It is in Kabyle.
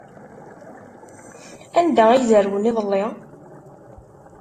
Anda ay zerwen iḍelli?